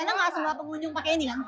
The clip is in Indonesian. karena nggak semua pengunjung pakai ini kan